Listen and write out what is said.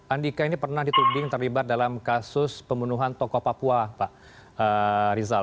andika ini pernah dituding terlibat dalam kasus pembunuhan tokoh papua pak rizal